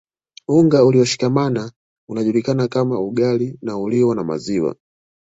Unga ulioshikamana unajulikana kama ugali na huliwa na maziwa